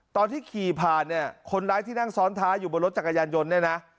ตอนที่ขี่ผ่านคนร้ายที่นั่งซ้อนท้ายอยู่บนรถจักรยานยนต์